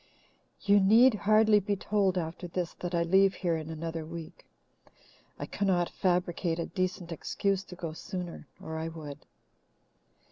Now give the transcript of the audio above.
"You need hardly be told after this that I leave here in another week. I cannot fabricate a decent excuse to go sooner, or I would."